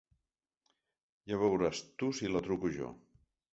Ja veuràs tu si la truco jo.